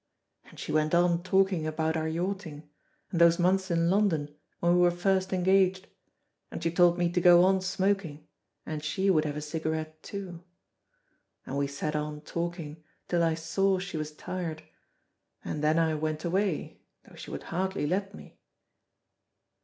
And she went on talking about our yachting, and those months in London when we were first engaged, and she told me to go on smoking, and she would have a cigarette too. And we sat on talking, till I saw she was tired, and then I went away, though he would hardly let me."